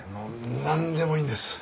なんでもいいんです。